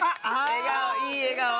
笑顔いい笑顔。